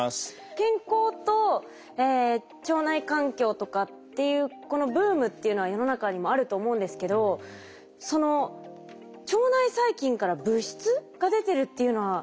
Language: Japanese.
健康と腸内環境とかっていうこのブームっていうのは世の中にもあると思うんですけどその腸内細菌から物質が出てるっていうのは初めて知りました。